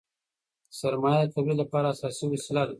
سرمایه د تولید لپاره اساسي وسیله ده.